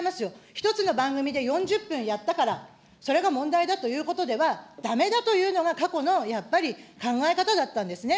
一つの番組で４０分やったから、それが問題だということではだめだというのが過去の、やっぱり考え方だったんですね。